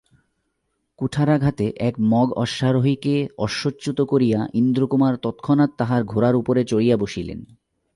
কুঠারাঘাতে এক মগ অশ্বারোহীকে অশ্বচ্যুত করিয়া ইন্দ্রকুমার তৎক্ষণাৎ তাহার ঘোড়ার উপর চড়িয়া বসিলেন।